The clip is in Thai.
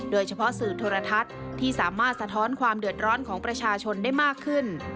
สื่อโทรทัศน์ที่สามารถสะท้อนความเดือดร้อนของประชาชนได้มากขึ้น